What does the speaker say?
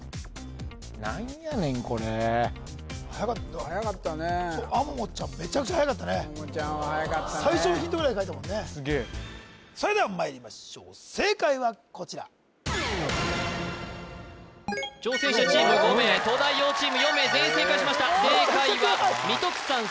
何やねんこれはやかったはやかったね亜桃ちゃんははやかったね最初のヒントぐらいで書いたもんねすげえそれではまいりましょう正解はこちら挑戦者チーム５名東大王チーム４名全員正解しました・